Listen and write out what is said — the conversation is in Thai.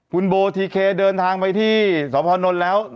คุณโบทีเคเดินทางไปที่สพนนท์แล้ว